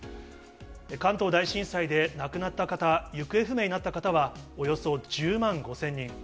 関東大震災で亡くなった方、行方不明になった方はおよそ１０万５０００人。